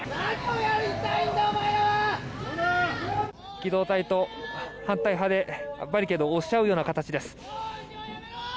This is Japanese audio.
機動隊と反対派でバリケードを押し合うような形です。